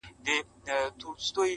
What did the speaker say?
o ور سره ښکلی موټر وو نازولی وو د پلار,